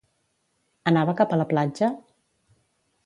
Anava cap a la platja?